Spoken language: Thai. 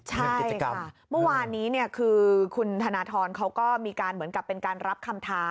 ใช่ค่ะเมื่อวานนี้คือคุณธนทรเขาก็มีการเหมือนกับเป็นการรับคำท้า